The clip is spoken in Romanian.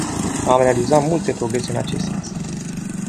Am realizat multe progrese în acest sens.